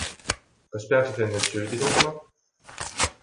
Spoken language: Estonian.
Kas peaksid end nüüd süüdi tundma?